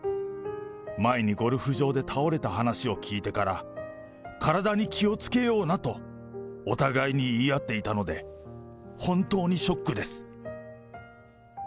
前にゴルフ場で倒れた話を聞いてから、体に気をつけようなと、お互いに言い合っていたので、本当にショックです。